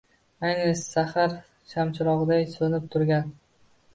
Ayni sahar shamchiroqday so’nib turgan